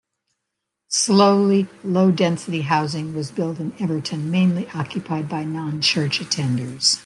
Slowly low density housing was built in Everton, mainly occupied by non-church attenders.